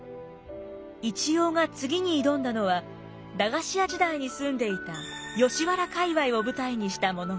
一葉が次に挑んだのは駄菓子屋時代に住んでいた吉原界わいを舞台にした物語。